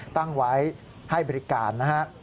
ตั้งไว้ให้บริการนะฮะ